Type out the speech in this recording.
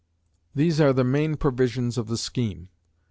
These are the main provisions of the scheme.